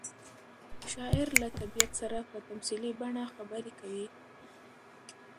شاعر له طبیعت سره په تمثیلي بڼه خبرې کوي.